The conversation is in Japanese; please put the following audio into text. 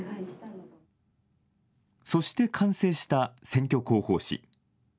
そして完成した選挙広報誌。